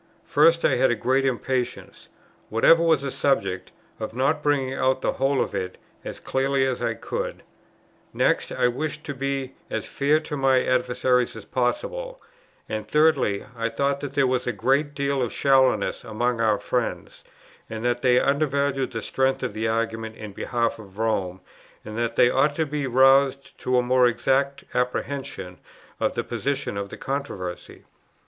First, I had a great impatience, whatever was the subject, of not bringing out the whole of it, as clearly as I could; next I wished to be as fair to my adversaries as possible; and thirdly I thought that there was a great deal of shallowness among our own friends, and that they undervalued the strength of the argument in behalf of Rome, and that they ought to be roused to a more exact apprehension of the position of the controversy.